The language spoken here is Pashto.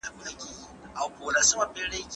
رانجه د روحانيت برخه ګڼل کېده.